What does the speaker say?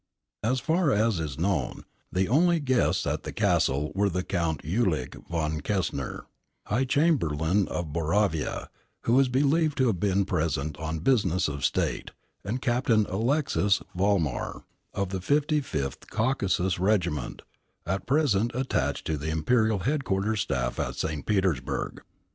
As far as is known, the only guests at the Castle were the Count Ulik von Kessner, High Chamberlain of Boravia, who is believed to have been present on business of State, and Captain Alexis Vollmar, of the 55th Caucasus Regiment, at present attached to the Imperial Headquarter Staff at St Petersburg.